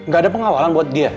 gak ada pengawalan buat dia